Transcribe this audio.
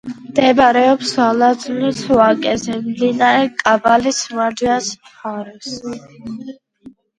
მდებარეობს ალაზნის ვაკეზე, მდინარე კაბალის მარჯვენა მხარეს.